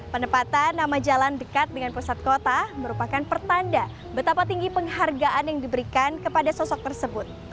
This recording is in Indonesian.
penempatan nama jalan dekat dengan pusat kota merupakan pertanda betapa tinggi penghargaan yang diberikan kepada sosok tersebut